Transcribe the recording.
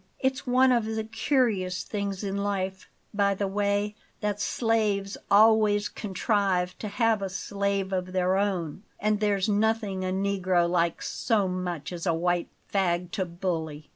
It's one of the curious things in life, by the way, that slaves always contrive to have a slave of their own, and there's nothing a negro likes so much as a white fag to bully.